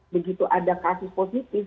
begitu ada kasus positif